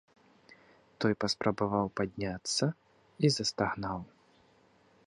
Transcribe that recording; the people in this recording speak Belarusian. Той паспрабаваў падняцца і застагнаў.